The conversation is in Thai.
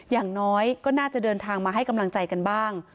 อย่างน้อยก็น่าจะเดินทางมาให้กำลังใจกันบ้าง